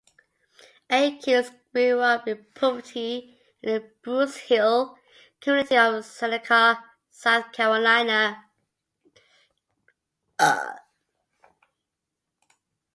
Aikens grew up in poverty in the Bruce Hill community of Seneca, South Carolina.